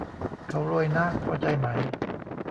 เขารวยนะ พอใจไหม